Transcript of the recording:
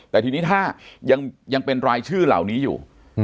แต่ทีนี้ถ้ายังเป็นรายชื่อเหล่านี้อยู่